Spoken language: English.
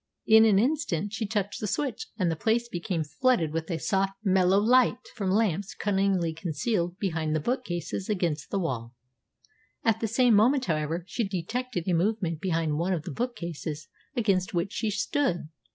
In an instant she touched the switch, and the place became flooded by a soft, mellow light from lamps cunningly concealed behind the bookcases against the wall. At the same moment, however, she detected a movement behind one of the bookcases against which she stood.